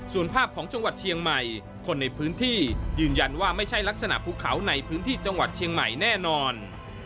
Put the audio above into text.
ส่วนภาพของจังหวัดเชียงใหม่คนในพื้นที่ยืนยันว่าไม่ใช่ลักษณะภูเขาในพื้นที่จังหวัดเชียงใหม่แน่นอน